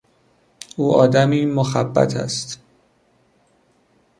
او آدمی مخبط است.